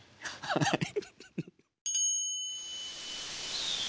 はい。